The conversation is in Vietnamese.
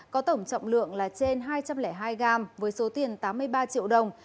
có tổng trọng lượng là trên hai trăm linh hai gam với số tiền tám mươi ba triệu đồng